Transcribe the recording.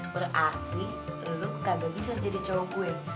berarti lo kagak bisa jadi cowok gue